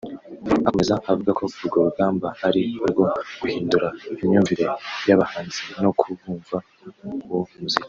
Akomeza avuga ko urwo rugamba ari urwo guhindura imyumvire y’abahanzi no ku bumva uwo muziki